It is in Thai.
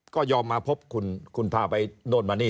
ก็ยอมมาพบคุณคุณพาไปโน่นมานี่